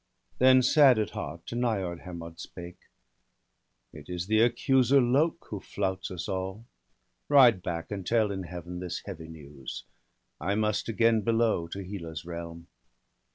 Then, sad at heart, to Niord Hermod spake :— BALDER DEAD. i8i ' It is the accuser Lok, who flouts us all. Ride back, and tell in Heaven this heavy news; I must again below, to Hela's realm.'